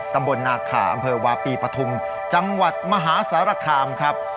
ตำบลนาขาอำเภอวาปีปฐุมจังหวัดมหาสารคามครับ